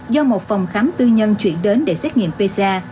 do một phòng khám tư nhân chuyển đến để xét nghiệm pc